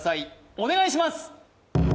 お願いします